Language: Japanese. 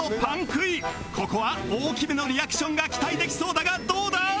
ここは大きめのリアクションが期待できそうだがどうだ？